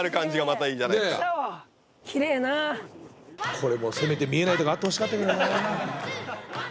これもせめて見えないとかあってほしかったけどな。